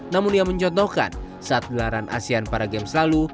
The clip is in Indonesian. namun ia mencontohkan saat gelaran asean para game selalu